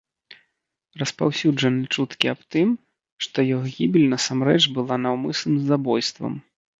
Распаўсюджаны чуткі аб тым, што яго гібель насамрэч была наўмысным забойствам.